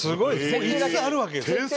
もう５つあるわけですよ。